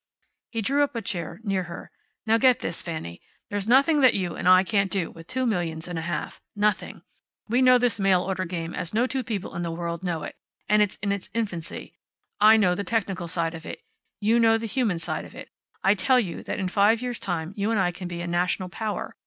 He drew up a chair near her. "Now get this, Fanny. There's nothing that you and I can't do with two millions and a half. Nothing. We know this mail order game as no two people in the world know it. And it's in its infancy. I know the technical side of it. You know the human side of it. I tell you that in five years' time you and I can be a national power.